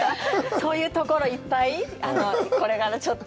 そういうところ、いっぱい、これからちょっと。